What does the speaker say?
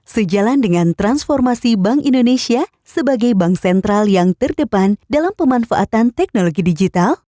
sejalan dengan transformasi bank indonesia sebagai bank sentral yang terdepan dalam pemanfaatan teknologi digital